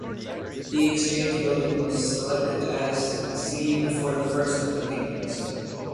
The Exchange Building was selected as the scene for the first of the paintings.